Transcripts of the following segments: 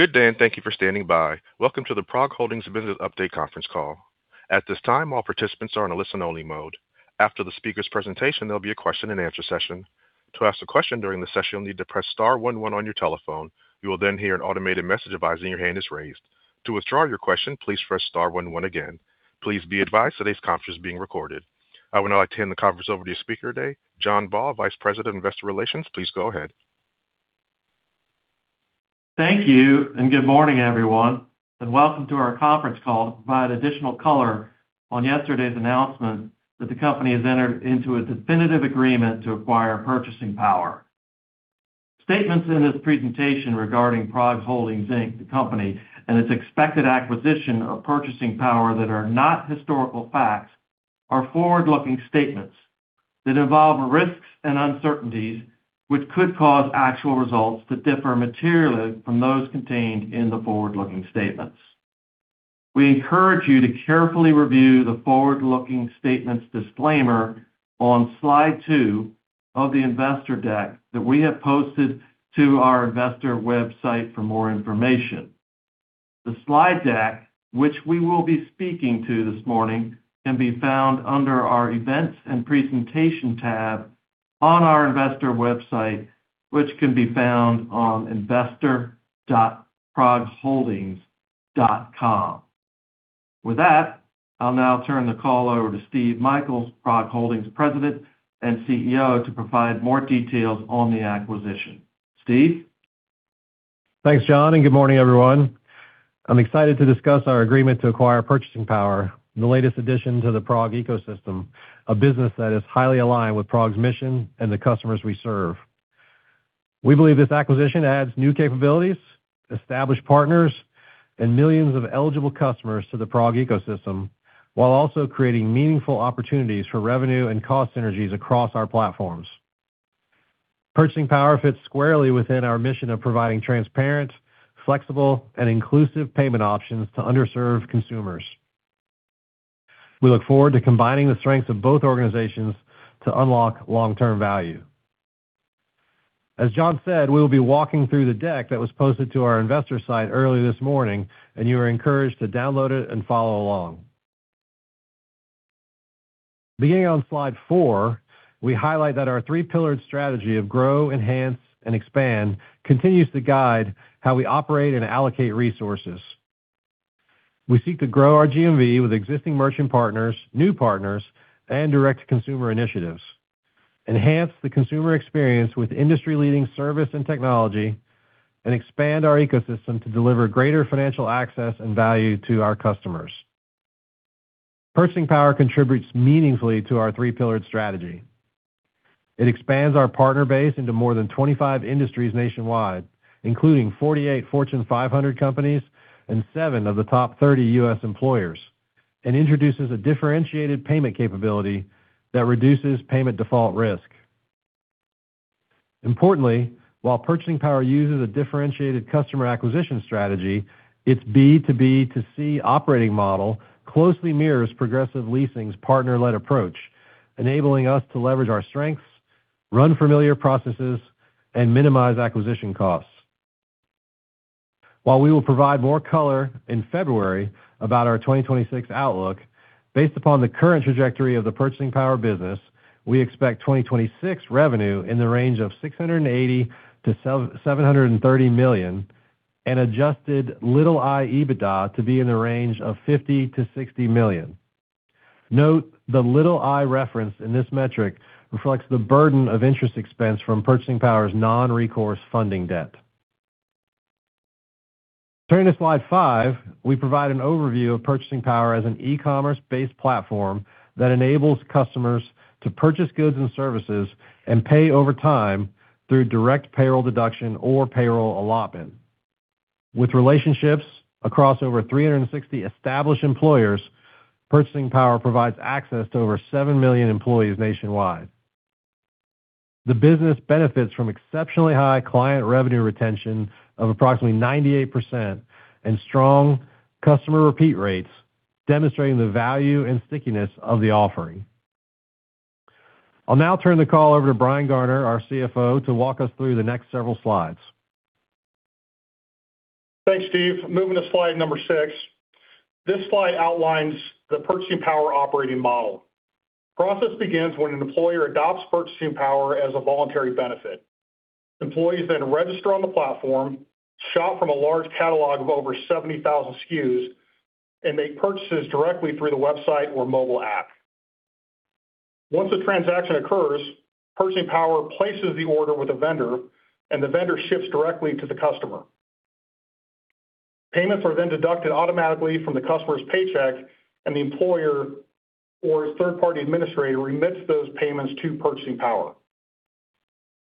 Good day, and thank you for standing by. Welcome to the PROG Holdings Business Update conference call. At this time, all participants are in a listen-only mode. After the speaker's presentation, there'll be a question-and-answer session. To ask a question during the session, you'll need to press star one one on your telephone. You will then hear an automated message advising your hand is raised. To withdraw your question, please press star 11 again. Please be advised today's conference is being recorded. I would now like to hand the conference over to your speaker today, John Baugh, Vice President of Investor Relations. Please go ahead. Thank you, and good morning, everyone, and welcome to our conference call to provide additional color on yesterday's announcement that the company has entered into a definitive agreement to acquire Purchasing Power. Statements in this presentation regarding PROG Holdings, the company, and its expected acquisition of Purchasing Power that are not historical facts are forward-looking statements that involve risks and uncertainties which could cause actual results to differ materially from those contained in the forward-looking statements. We encourage you to carefully review the forward-looking statements disclaimer on slide two of the investor deck that we have posted to our investor website for more information. The slide deck, which we will be speaking to this morning, can be found under our events and presentation tab on our investor website, which can be found on investor.progholdings.com. With that, I'll now turn the call over to Steve Michaels, PROG Holdings' President and CEO, to provide more details on the acquisition. Steve? Thanks, John, and good morning, everyone. I'm excited to discuss our agreement to acquire Purchasing Power, the latest addition to the PROG ecosystem, a business that is highly aligned with PROG's mission and the customers we serve. We believe this acquisition adds new capabilities, established partners, and millions of eligible customers to the PROG ecosystem, while also creating meaningful opportunities for revenue and cost synergies across our platforms. Purchasing Power fits squarely within our mission of providing transparent, flexible, and inclusive payment options to underserved consumers. We look forward to combining the strengths of both organizations to unlock long-term value. As John said, we will be walking through the deck that was posted to our investor site early this morning, and you are encouraged to download it and follow along. Beginning on slide four, we highlight that our three-pillared strategy of grow, enhance, and expand continues to guide how we operate and allocate resources. We seek to grow our GMV with existing merchant partners, new partners, and direct-to-consumer initiatives, enhance the consumer experience with industry-leading service and technology, and expand our ecosystem to deliver greater financial access and value to our customers. Purchasing Power contributes meaningfully to our three-pillared strategy. It expands our partner base into more than 25 industries nationwide, including 48 Fortune 500 companies and 7 of the top 30 U.S. employers, and introduces a differentiated payment capability that reduces payment default risk. Importantly, while Purchasing Power uses a differentiated customer acquisition strategy, its B2B2C operating model closely mirrors Progressive Leasing's partner-led approach, enabling us to leverage our strengths, run familiar processes, and minimize acquisition costs. While we will provide more color in February about our 2026 outlook, based upon the current trajectory of the Purchasing Power business, we expect 2026 revenue in the range of $680 million-$730 million and adjusted little i EBITDA to be in the range of $50 million-$60 million. Note the little i reference in this metric reflects the burden of interest expense from Purchasing Power's non-recourse funding debt. Turning to slide five, we provide an overview of Purchasing Power as an e-commerce-based platform that enables customers to purchase goods and services and pay over time through direct payroll deduction or payroll allotment. With relationships across over 360 established employers, Purchasing Power provides access to over 7 million employees nationwide. The business benefits from exceptionally high client revenue retention of approximately 98% and strong customer repeat rates, demonstrating the value and stickiness of the offering. I'll now turn the call over to Brian Garner, our CFO, to walk us through the next several slides. Thanks, Steve. Moving to slide number six. This slide outlines the Purchasing Power operating model. The process begins when an employer adopts Purchasing Power as a voluntary benefit. Employees then register on the platform, shop from a large catalog of over 70,000 SKUs, and make purchases directly through the website or mobile app. Once a transaction occurs, Purchasing Power places the order with a vendor, and the vendor ships directly to the customer. Payments are then deducted automatically from the customer's paycheck, and the employer or third-party administrator remits those payments to Purchasing Power.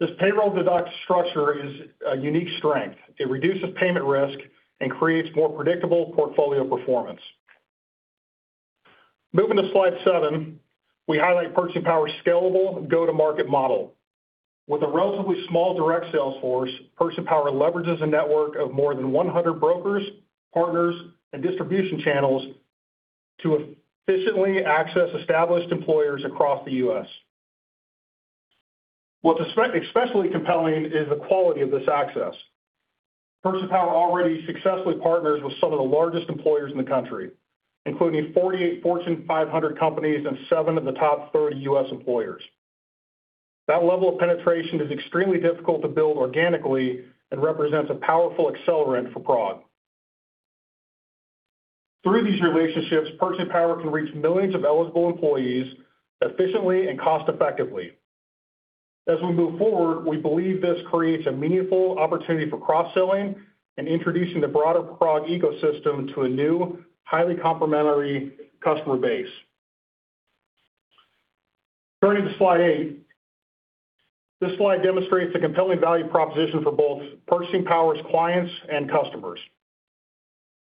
This payroll deduction structure is a unique strength. It reduces payment risk and creates more predictable portfolio performance. Moving to slide seven, we highlight Purchasing Power's scalable go-to-market model. With a relatively small direct sales force, Purchasing Power leverages a network of more than 100 brokers, partners, and distribution channels to efficiently access established employers across the U.S. What's especially compelling is the quality of this access. Purchasing Power already successfully partners with some of the largest employers in the country, including 48 Fortune 500 companies and 7 of the top 30 U.S. employers. That level of penetration is extremely difficult to build organically and represents a powerful accelerant for PROG. Through these relationships, Purchasing Power can reach millions of eligible employees efficiently and cost-effectively. As we move forward, we believe this creates a meaningful opportunity for cross-selling and introducing the broader PROG ecosystem to a new, highly complementary customer base. Turning to slide eight, this slide demonstrates a compelling value proposition for both Purchasing Power's clients and customers.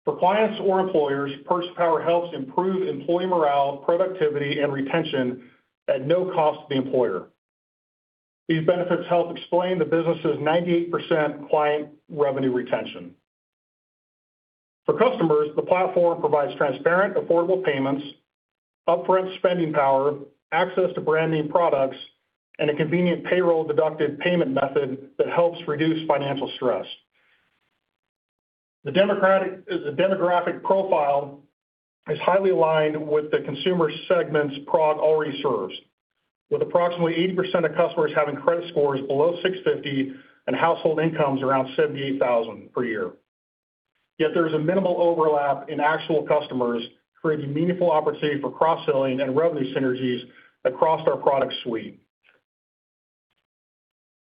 For clients or employers, Purchasing Power helps improve employee morale, productivity, and retention at no cost to the employer. These benefits help explain the business's 98% client revenue retention. For customers, the platform provides transparent, affordable payments, upfront spending power, access to brand-name products, and a convenient payroll-deducted payment method that helps reduce financial stress. The demographic profile is highly aligned with the consumer segments PROG already serves, with approximately 80% of customers having credit scores below 650 and household incomes around $78,000 per year. Yet there is a minimal overlap in actual customers, creating meaningful opportunity for cross-selling and revenue synergies across our product suite.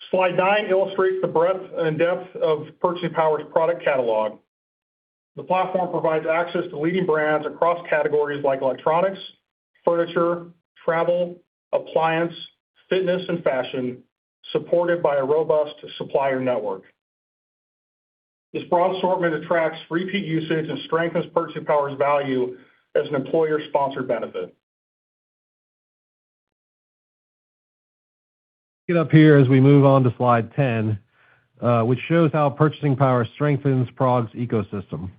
Slide nine illustrates the breadth and depth of Purchasing Power's product catalog. The platform provides access to leading brands across categories like electronics, furniture, travel, appliance, fitness, and fashion, supported by a robust supplier network. This broad assortment attracts repeat usage and strengthens Purchasing Power's value as an employer-sponsored benefit. We'll get up here as we move on to slide 10, which shows how Purchasing Power strengthens PROG's ecosystem.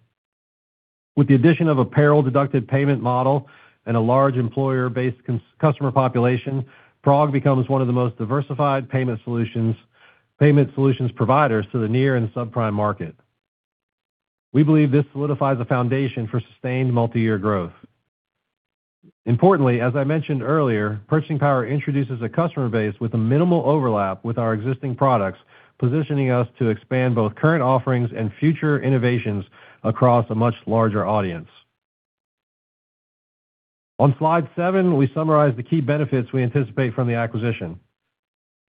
With the addition of a payroll-deducted payment model and a large employer-based customer population, PROG becomes one of the most diversified payment solutions providers to the near and subprime market. We believe this solidifies a foundation for sustained multi-year growth. Importantly, as I mentioned earlier, Purchasing Power introduces a customer base with a minimal overlap with our existing products, positioning us to expand both current offerings and future innovations across a much larger audience. On slide seven, we summarize the key benefits we anticipate from the acquisition: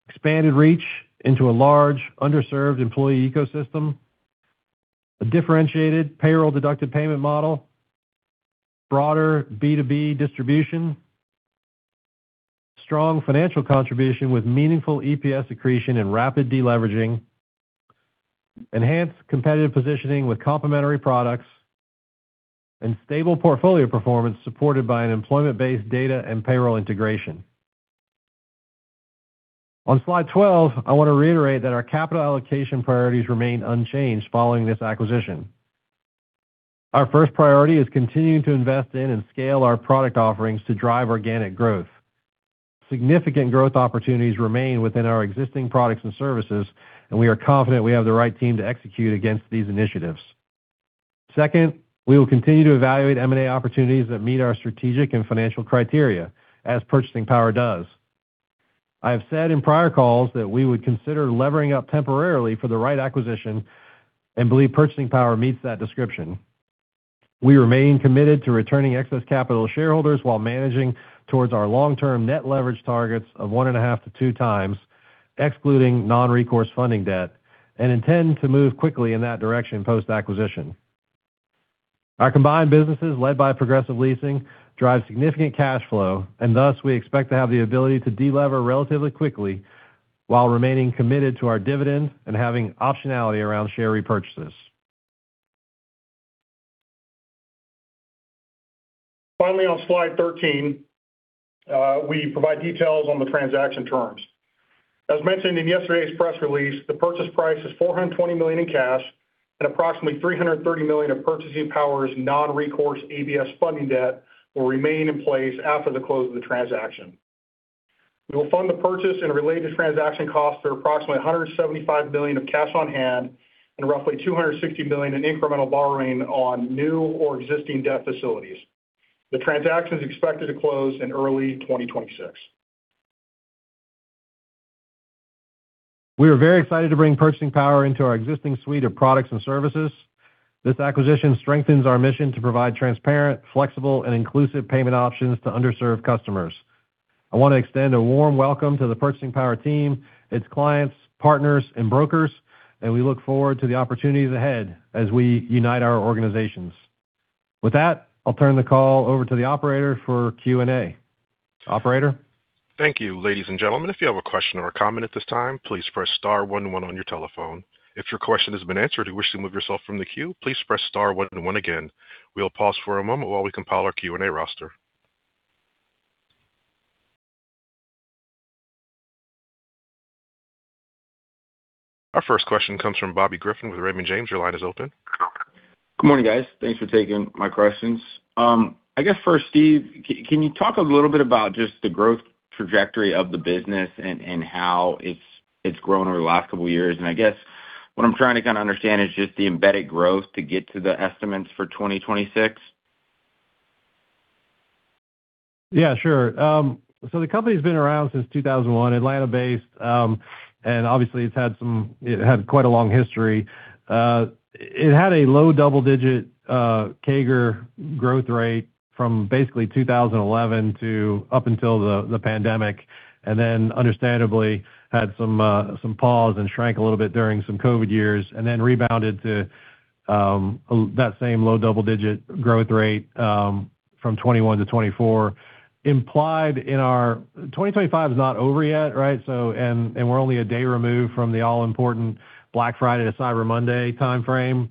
expanded reach into a large, underserved employee ecosystem, a differentiated payroll-deducted payment model, broader B2B distribution, strong financial contribution with meaningful EPS accretion and rapid deleveraging, enhanced competitive positioning with complementary products, and stable portfolio performance supported by an employment-based data and payroll integration. On slide 12, I want to reiterate that our capital allocation priorities remain unchanged following this acquisition. Our first priority is continuing to invest in and scale our product offerings to drive organic growth. Significant growth opportunities remain within our existing products and services, and we are confident we have the right team to execute against these initiatives. Second, we will continue to evaluate M&A opportunities that meet our strategic and financial criteria, as Purchasing Power does. I have said in prior calls that we would consider levering up temporarily for the right acquisition and believe Purchasing Power meets that description. We remain committed to returning excess capital to shareholders while managing towards our long-term net leverage targets of one and a half to two times, excluding non-recourse funding debt, and intend to move quickly in that direction post-acquisition. Our combined businesses led by Progressive Leasing drive significant cash flow, and thus we expect to have the ability to delever relatively quickly while remaining committed to our dividend and having optionality around share repurchases. Finally, on slide 13, we provide details on the transaction terms. As mentioned in yesterday's press release, the purchase price is $420 million in cash, and approximately $330 million of Purchasing Power's non-recourse EBS funding debt will remain in place after the close of the transaction. We will fund the purchase and related transaction costs from approximately $175 million of cash on hand and roughly $260 million in incremental borrowing on new or existing debt facilities. The transaction is expected to close in early 2026. We are very excited to bring Purchasing Power into our existing suite of products and services. This acquisition strengthens our mission to provide transparent, flexible, and inclusive payment options to underserved customers. I want to extend a warm welcome to the Purchasing Power team, its clients, partners, and brokers, and we look forward to the opportunities ahead as we unite our organizations. With that, I'll turn the call over to the operator for Q&A. Operator? Thank you, ladies and gentlemen. If you have a question or a comment at this time, please press star one one on your telephone. If your question has been answered and you wish to move yourself from the queue, please press star one one again. We'll pause for a moment while we compile our Q&A roster. Our first question comes from Bobby Griffin with Raymond James. Your line is open. Good morning, guys. Thanks for taking my questions. I guess first, Steve, can you talk a little bit about just the growth trajectory of the business and how it's grown over the last couple of years? I guess what I'm trying to kind of understand is just the embedded growth to get to the estimates for 2026. Yeah, sure. The company's been around since 2001, Atlanta-based, and obviously it's had quite a long history. It had a low double-digit CAGR growth rate from basically 2011 to up until the pandemic, and then understandably had some pause and shrank a little bit during some COVID years, and then rebounded to that same low double-digit growth rate from 2021 to 2024. Implied in our 2025 is not over yet, right? We're only a day removed from the all-important Black Friday to Cyber Monday timeframe,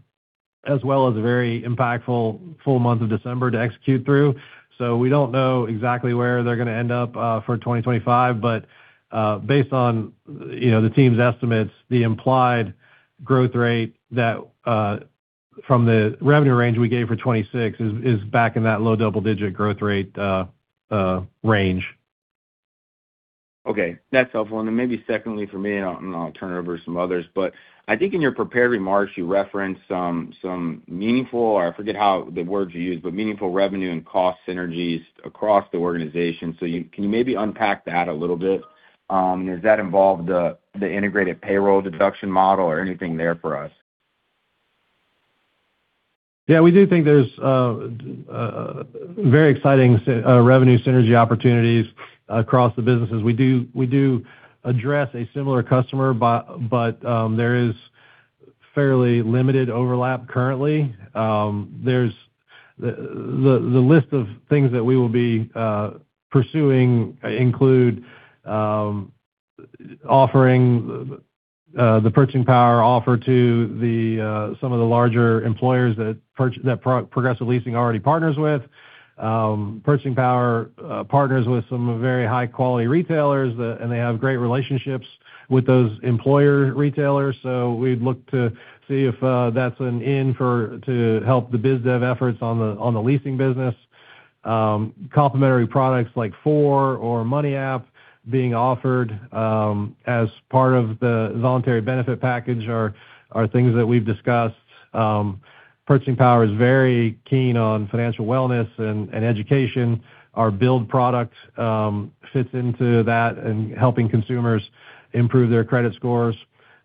as well as a very impactful full month of December to execute through. We don't know exactly where they're going to end up for 2025, but based on the team's estimates, the implied growth rate from the revenue range we gave for 2026 is back in that low double-digit growth rate range. Okay. That's helpful. Maybe secondly for me, I'll turn it over to some others, but I think in your prepared remarks, you referenced some meaningful, or I forget the words you used, but meaningful revenue and cost synergies across the organization. Can you maybe unpack that a little bit? Does that involve the integrated payroll deduction model or anything there for us? Yeah, we do think there's very exciting revenue synergy opportunities across the businesses. We do address a similar customer, but there is fairly limited overlap currently. The list of things that we will be pursuing includes offering the Purchasing Power offer to some of the larger employers that Progressive Leasing already partners with. Purchasing Power partners with some very high-quality retailers, and they have great relationships with those employer retailers. We would look to see if that's an end to help the biz dev efforts on the leasing business. Complimentary products like Four or Money App being offered as part of the voluntary benefit package are things that we've discussed. Purchasing Power is very keen on financial wellness and education. Our Build product fits into that and helping consumers improve their credit scores.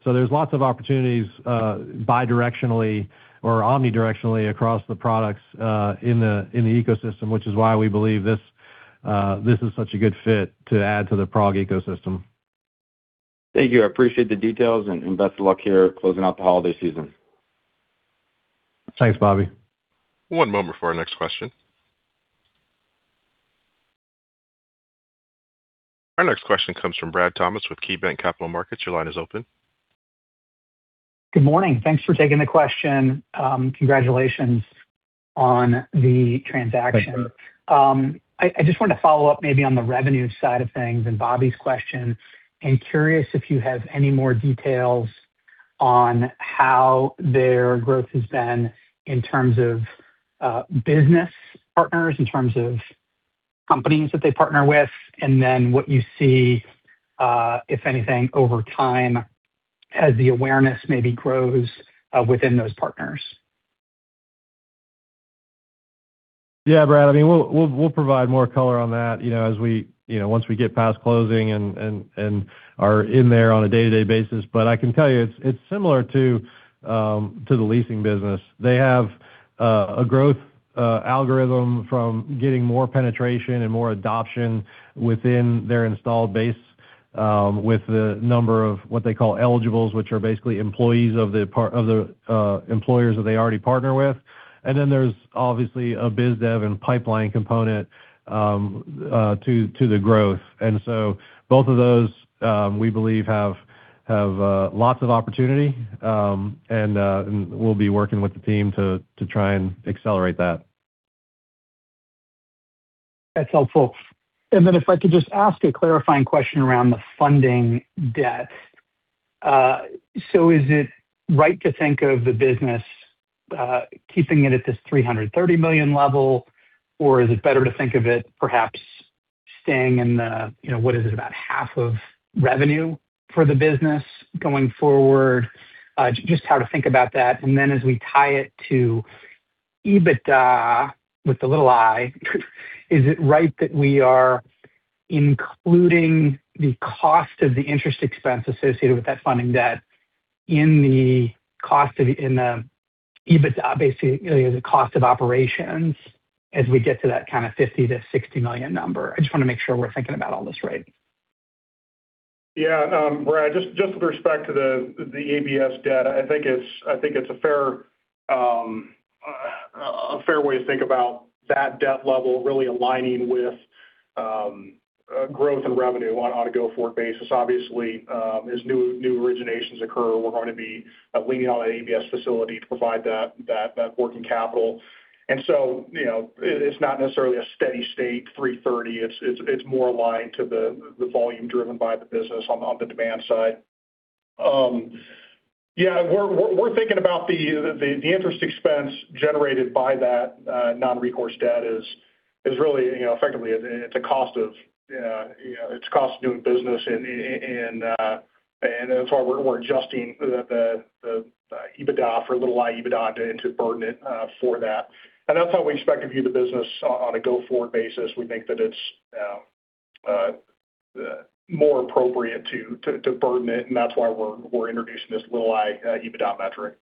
There are lots of opportunities bidirectionally or omnidirectionally across the products in the ecosystem, which is why we believe this is such a good fit to add to the PROG ecosystem. Thank you. I appreciate the details and best of luck here closing out the holiday season. Thanks, Bobby. One moment for our next question. Our next question comes from Brad Thomas with KeyBank Capital Markets. Your line is open. Good morning. Thanks for taking the question. Congratulations on the transaction. I just wanted to follow up maybe on the revenue side of things and Bobby's question. I'm curious if you have any more details on how their growth has been in terms of business partners, in terms of companies that they partner with, and then what you see, if anything, over time as the awareness maybe grows within those partners. Yeah, Brad, I mean, we'll provide more color on that once we get past closing and are in there on a day-to-day basis. I can tell you it's similar to the leasing business. They have a growth algorithm from getting more penetration and more adoption within their installed base with the number of what they call eligibles, which are basically employees of the employers that they already partner with. There is obviously a biz dev and pipeline component to the growth. Both of those, we believe, have lots of opportunity, and we'll be working with the team to try and accelerate that. That's helpful. If I could just ask a clarifying question around the funding debt. Is it right to think of the business keeping it at this $330 million level, or is it better to think of it perhaps staying in the, what is it, about half of revenue for the business going forward? Just how to think about that. As we tie it to EBITDA with the little i, is it right that we are including the cost of the interest expense associated with that funding debt in the cost of EBITDA, basically the cost of operations, as we get to that kind of $50 million-$60 million number? I just want to make sure we're thinking about all this right. Yeah, Brad, just with respect to the ABS debt, I think it's a fair way to think about that debt level really aligning with growth and revenue on a go-forward basis. Obviously, as new originations occur, we're going to be leaning on an ABS facility to provide that working capital. It's not necessarily a steady state $330 million. It's more aligned to the volume driven by the business on the demand side. Yeah, we're thinking about the interest expense generated by that non-recourse debt is really effectively at the cost of doing business, and that's why we're adjusting the EBITDA for little i EBITDA to burden it for that. That's how we expect to view the business on a go-forward basis. We think that it's more appropriate to burden it, and that's why we're introducing this little i EBITDA metric.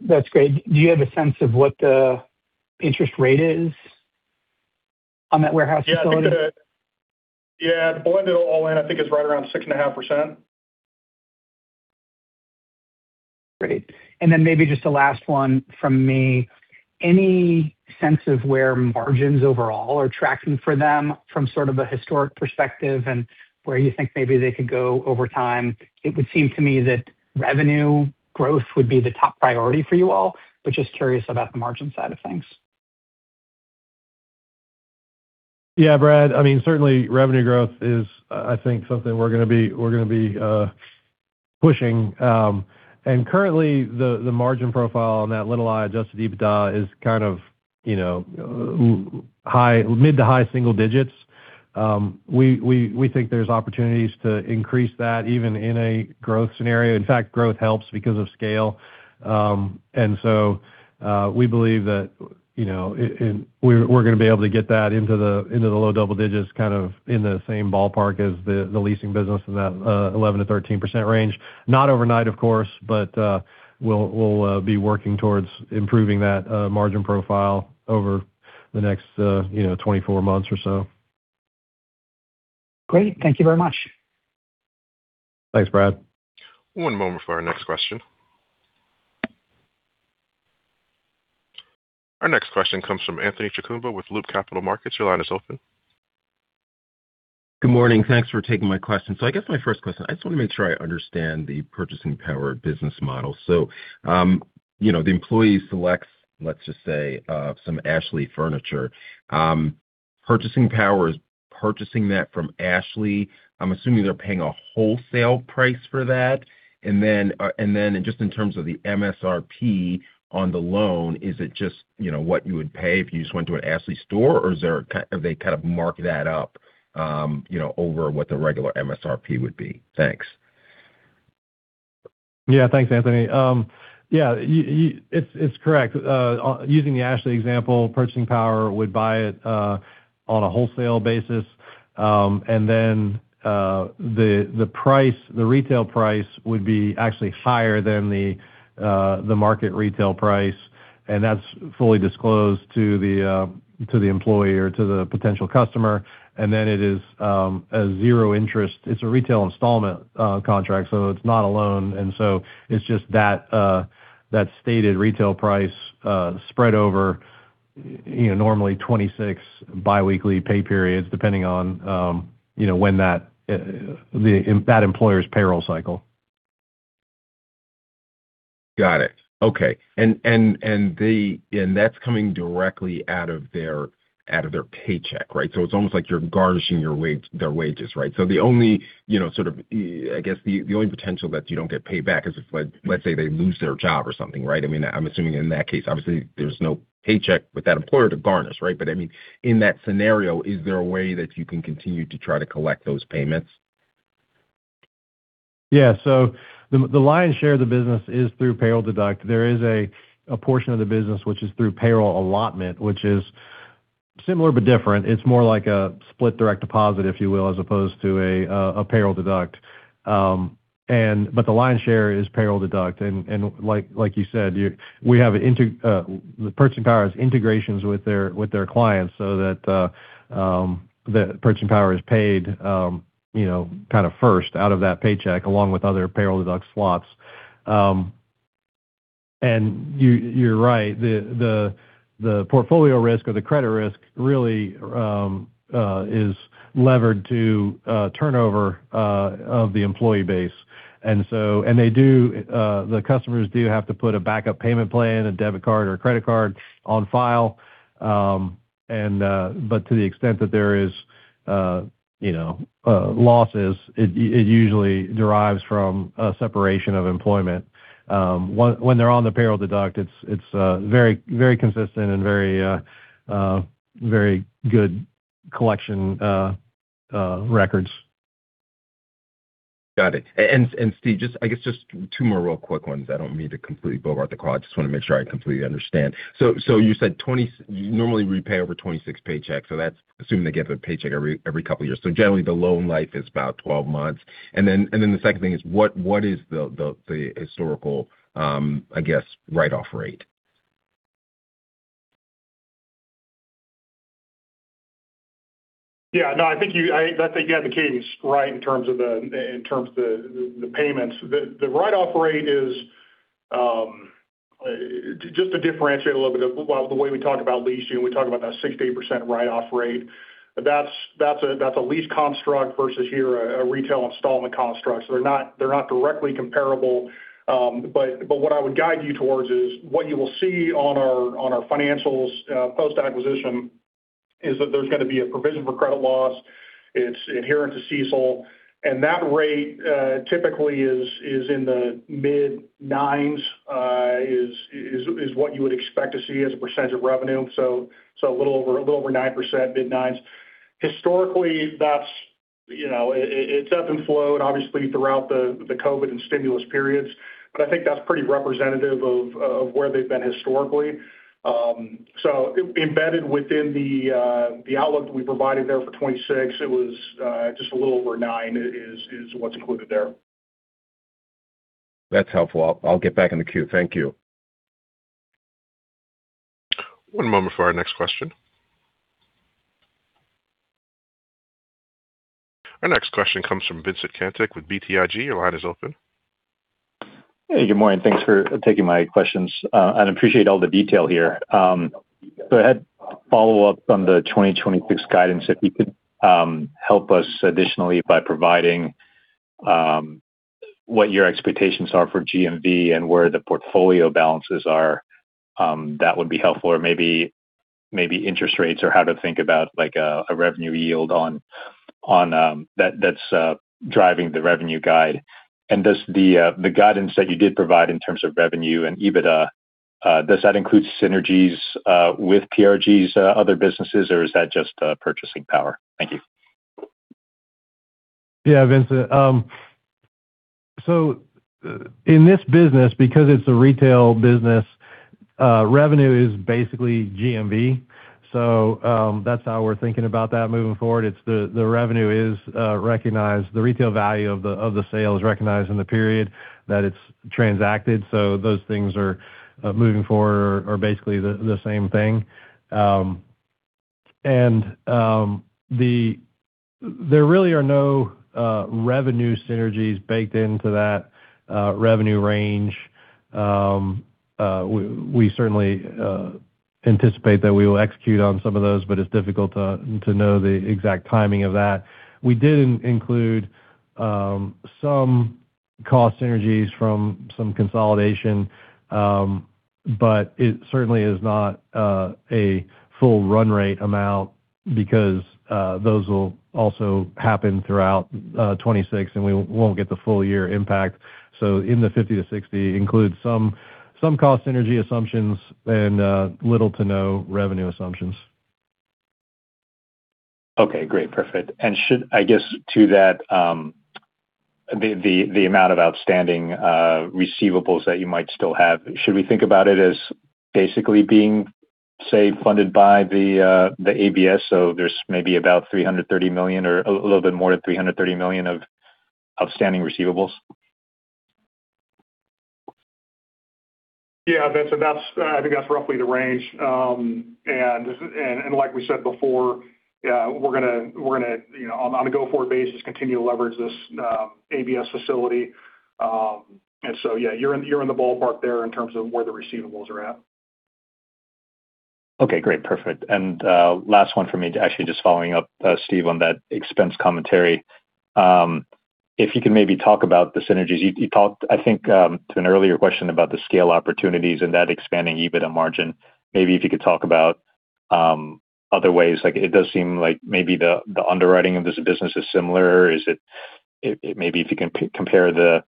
That's great. Do you have a sense of what the interest rate is on that warehouse facility? Yeah, to blend it all in, I think it's right around 6.5%. Great. Maybe just the last one from me. Any sense of where margins overall are tracking for them from sort of a historic perspective and where you think maybe they could go over time? It would seem to me that revenue growth would be the top priority for you all, but just curious about the margin side of things. Yeah, Brad. I mean, certainly revenue growth is, I think, something we're going to be pushing. Currently, the margin profile on that little i adjusted EBITDA is kind of mid to high single digits. We think there's opportunities to increase that even in a growth scenario. In fact, growth helps because of scale. We believe that we're going to be able to get that into the low double digits, kind of in the same ballpark as the leasing business in that 11%-13% range. Not overnight, of course, but we'll be working towards improving that margin profile over the next 24 months or so. Great. Thank you very much. Thanks, Brad. One moment for our next question. Our next question comes from Anthony Chukumba with Loop Capital Markets. Your line is open. Good morning. Thanks for taking my question. I guess my first question, I just want to make sure I understand the Purchasing Power business model. The employee selects, let's just say, some Ashley Furniture. Purchasing Power is purchasing that from Ashley. I'm assuming they're paying a wholesale price for that. In terms of the MSRP on the loan, is it just what you would pay if you just went to an Ashley store, or do they kind of mark that up over what the regular MSRP would be? Thanks. Yeah, thanks, Anthony. Yeah, it's correct. Using the Ashley example, Purchasing Power would buy it on a wholesale basis. The retail price would be actually higher than the market retail price, and that's fully disclosed to the employee or to the potential customer. It is a zero interest. It's a retail installment contract, so it's not a loan. It's just that stated retail price spread over normally 26 biweekly pay periods, depending on when that employer's payroll cycle. Got it. Okay. And that's coming directly out of their paycheck, right? It's almost like you're garnishing their wages, right? The only sort of, I guess, the only potential that you don't get paid back is if, let's say, they lose their job or something, right? I mean, I'm assuming in that case, obviously, there's no paycheck with that employer to garnish, right? I mean, in that scenario, is there a way that you can continue to try to collect those payments? Yeah. The lion's share of the business is through payroll deduct. There is a portion of the business which is through payroll allotment, which is similar but different. It's more like a split direct deposit, if you will, as opposed to a payroll deduct. The lion's share is payroll deduct. Like you said, the Purchasing Power has integrations with their clients so that the Purchasing Power is paid kind of first out of that paycheck along with other payroll deduct slots. You're right. The portfolio risk or the credit risk really is levered to turnover of the employee base. They do, the customers do have to put a backup payment plan, a debit card or a credit card on file. To the extent that there are losses, it usually derives from a separation of employment. When they're on the payroll deduction, it's very consistent and very good collection records. Got it. Steve, I guess just two more real quick ones. I do not mean to completely bogart the call. I just want to make sure I completely understand. You said you normally repay over 26 paychecks. That is assuming they get their paycheck every couple of weeks. Generally, the loan life is about 12 months. The second thing is, what is the historical, I guess, write-off rate? Yeah. No, I think you had the keys right in terms of the payments. The write-off rate is just to differentiate a little bit of the way we talk about leasing, we talk about that 60% write-off rate. That's a lease construct versus here a retail installment construct. They are not directly comparable. What I would guide you towards is what you will see on our financials post-acquisition is that there is going to be a provision for credit loss. It is adherent to CECL. That rate typically is in the mid-nines is what you would expect to see as a percentage of revenue. A little over 9%, mid-nines. Historically, it has ebbed and flowed, obviously, throughout the COVID and stimulus periods. I think that is pretty representative of where they have been historically. Embedded within the outlook that we provided there for 2026, it was just a little over 9% is what's included there. That's helpful. I'll get back in the queue. Thank you. One moment for our next question. Our next question comes from Vincent Caintic with BTIG. Your line is open. Hey, good morning. Thanks for taking my questions. I appreciate all the detail here. I had follow-up on the 2026 guidance. If you could help us additionally by providing what your expectations are for GMV and where the portfolio balances are, that would be helpful. Maybe interest rates or how to think about a revenue yield on that's driving the revenue guide. The guidance that you did provide in terms of revenue and EBITDA, does that include synergies with PRG's other businesses, or is that just Purchasing Power? Thank you. Yeah, Vincent. In this business, because it's a retail business, revenue is basically GMV. That's how we're thinking about that moving forward. The revenue is recognized. The retail value of the sale is recognized in the period that it's transacted. Those things moving forward are basically the same thing. There really are no revenue synergies baked into that revenue range. We certainly anticipate that we will execute on some of those, but it's difficult to know the exact timing of that. We did include some cost synergies from some consolidation, but it certainly is not a full run rate amount because those will also happen throughout 2026, and we won't get the full year impact. In the $50 million-$60 million, include some cost synergy assumptions and little to no revenue assumptions. Okay. Great. Perfect. I guess to that, the amount of outstanding receivables that you might still have, should we think about it as basically being, say, funded by the ABS? There is maybe about $330 million or a little bit more than $330 million of outstanding receivables? Yeah, Vincent, I think that's roughly the range. Like we said before, we're going to, on a go-forward basis, continue to leverage this ABS facility. Yeah, you're in the ballpark there in terms of where the receivables are at. Okay. Great. Perfect. Last one for me, actually just following up, Steve, on that expense commentary. If you could maybe talk about the synergies. I think to an earlier question about the scale opportunities and that expanding EBITDA margin, maybe if you could talk about other ways. It does seem like maybe the underwriting of this business is similar. Maybe if you can compare the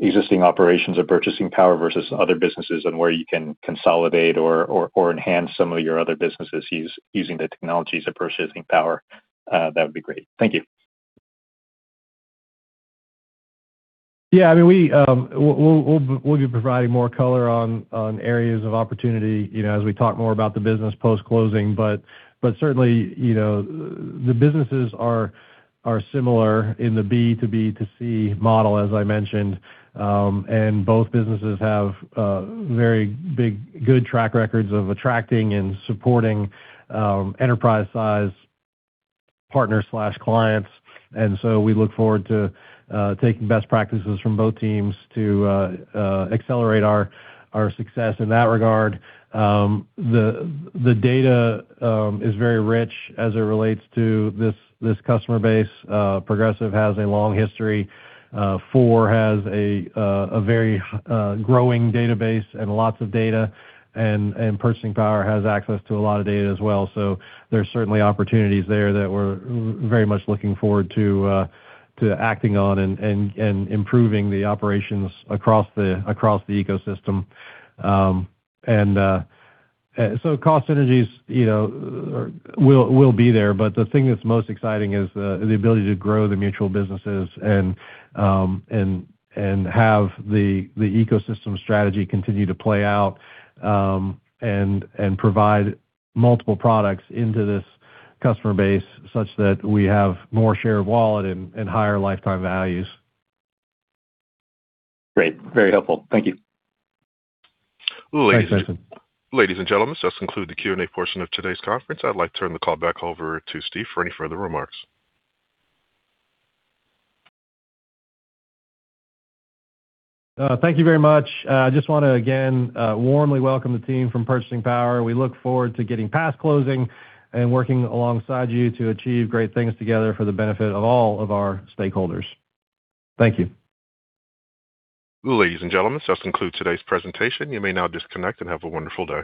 existing operations of Purchasing Power versus other businesses and where you can consolidate or enhance some of your other businesses using the technologies of Purchasing Power, that would be great. Thank you. Yeah. I mean, we'll be providing more color on areas of opportunity as we talk more about the business post-closing. Certainly, the businesses are similar in the B2B2C model, as I mentioned. Both businesses have very good track records of attracting and supporting enterprise-size partners/clients. We look forward to taking best practices from both teams to accelerate our success in that regard. The data is very rich as it relates to this customer base. Progressive has a long history. Four has a very growing database and lots of data. Purchasing Power has access to a lot of data as well. There are certainly opportunities there that we're very much looking forward to acting on and improving the operations across the ecosystem. Cost synergies will be there. The thing that's most exciting is the ability to grow the mutual businesses and have the ecosystem strategy continue to play out and provide multiple products into this customer base such that we have more share of wallet and higher lifetime values. Great. Very helpful. Thank you. Ladies and gentlemen, to conclude the Q&A portion of today's conference, I'd like to turn the call back over to Steve for any further remarks. Thank you very much. I just want to, again, warmly welcome the team from Purchasing Power. We look forward to getting past closing and working alongside you to achieve great things together for the benefit of all of our stakeholders. Thank you. Ladies and gentlemen, to conclude today's presentation, you may now disconnect and have a wonderful day.